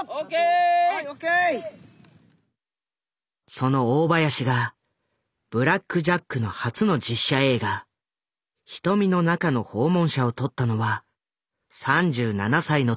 その大林が「ブラック・ジャック」の初の実写映画「瞳の中の訪問者」を撮ったのは３７歳の時だった。